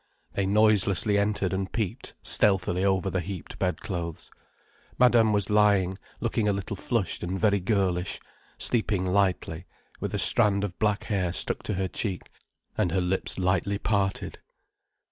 They noiselessly entered and peeped stealthily over the heaped bedclothes. Madame was lying, looking a little flushed and very girlish, sleeping lightly, with a strand of black hair stuck to her cheek, and her lips lightly parted.